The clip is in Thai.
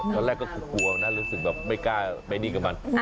ตอนแรกก็คือกลัวนะรู้สึกแบบไม่กล้าไปนี่กับมัน